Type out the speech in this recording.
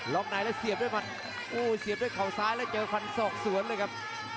ในแล้วเสียบด้วยฟันโอ้เสียบด้วยเขาซ้ายแล้วเจอฟันศอกสวนเลยครับ